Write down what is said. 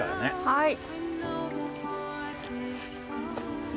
はい。